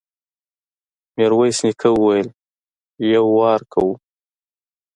ميرويس نيکه وويل: يو وار کوو.